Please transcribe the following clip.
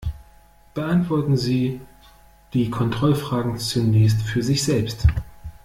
Beantworten Sie die Kontrollfragen zunächst für sich selbst.